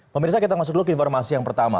pemirsa kita masuk dulu ke informasi yang pertama